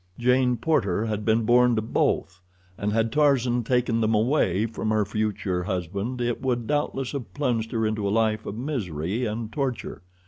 Jane Porter had been born to both, and had Tarzan taken them away from her future husband it would doubtless have plunged her into a life of misery and torture.